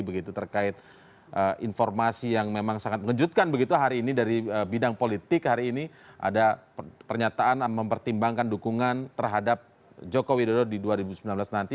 begitu terkait informasi yang memang sangat mengejutkan begitu hari ini dari bidang politik hari ini ada pernyataan mempertimbangkan dukungan terhadap jokowi dodo di dua ribu sembilan belas nanti